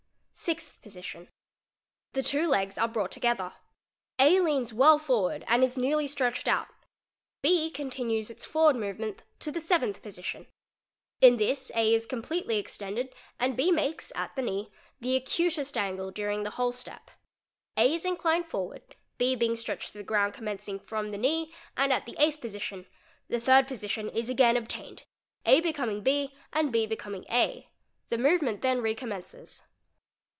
_ Sixth Position—The two legs are brought together. A leans well forward and is nearly stretched out, B continues its forward movement (0 the _ Seventh Position—In this A is completely extended and B makes at the knee the acutest angle during the whole step. A is inclined forward, B being stretched to the ground commencing from the knee and at the Eighth Position—the third position is again obtained, A becoming B und B becoming A ; the movement then recommences.